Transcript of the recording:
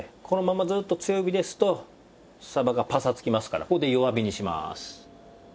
このままずっと強火ですと鯖がパサつきますからここで弱火にします。